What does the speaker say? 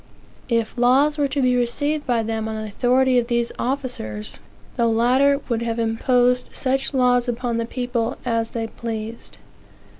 If laws were to be received by them on the authority of these officers, the latter would have imposed such laws upon the people as they pleased.